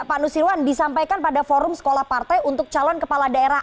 pak nusirwan disampaikan pada forum sekolah partai untuk calon kepala daerah